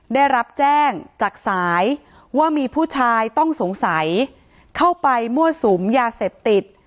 ได้รับแจ้งจากสายว่ามีผู้ชายต้องสงสัยเข้าไปมั่วสุมยาเสพติด